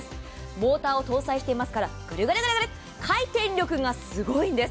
モーターを搭載していますから、グルグルッ回転力がすごいんです。